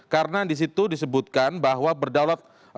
karena di situ disebutkan bahwa berdaulat